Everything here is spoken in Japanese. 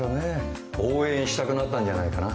応援したくなったんじゃないかな。